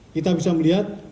kita bisa melihat